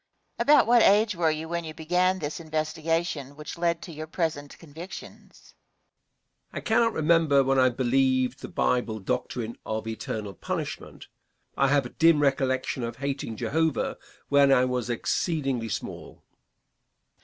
Question. About what age were you when you began this investigation which led to your present convictions? Answer. I cannot remember when I believed the Bible doctrine of eternal punishment. I have a dim recollection of hating Jehovah when I was exceedingly small.